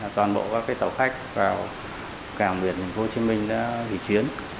toàn bộ các cái tàu khách vào cảng biển tp hcm đã ghi chuyến